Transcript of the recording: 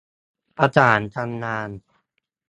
ประสานทำงาน